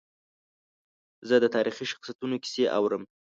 زه د تاریخي شخصیتونو کیسې اورم.